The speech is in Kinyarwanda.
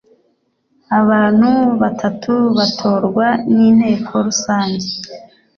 abantu batatu batorwa n’inteko rusange